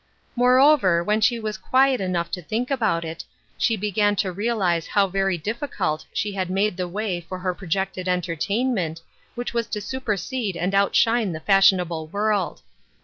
Moreover, when she was quiet enough to think about it, she began to realize how very difficult she had made the way for her projected entertain ment, which was to supersede and outshine the fashionable world.